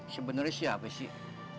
sebenernya siapa sih